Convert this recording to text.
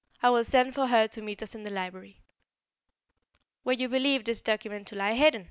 I will send for her to meet us in the library." "Where you believe this document to lie hidden?"